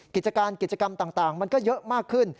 กิจการกิจกรรมต่างมันก็เยอะมากขึ้น